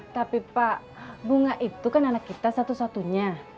tapi pak bunga itu kan anak kita satu satunya